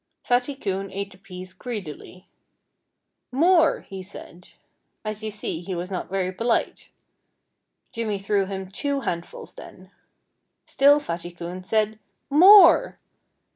Fatty Coon ate the peas greedily. "More!" he said. As you see, he was not very polite. Jimmy threw him two handfuls then. Still Fatty Coon said "More!"